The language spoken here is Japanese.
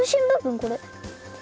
これ。